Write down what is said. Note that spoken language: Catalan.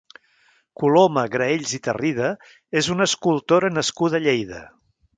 Coloma Graells i Tarrida és una escultora nascuda a Lleida.